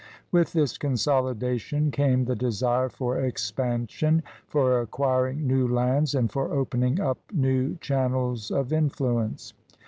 With this consolidation came the desire for expansion, for acquiring new lands, and for opening up new channels of influence.